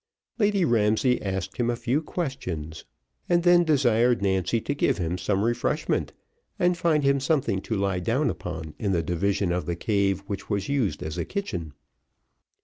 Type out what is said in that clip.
Lady Barclay asked him a few questions, and then desired Nancy to give him some refreshment, and find him something to lie down upon in the division of the cave which was used as a kitchen.